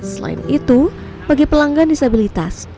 selain itu bagi pelanggan disabilitas